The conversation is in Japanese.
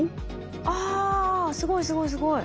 あすごいすごいすごい。